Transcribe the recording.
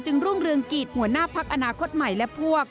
รุ่งเรืองกิจหัวหน้าพักอนาคตใหม่และพวก